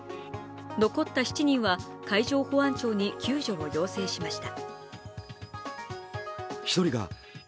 残った７人は海上保安庁に救助を要請しました。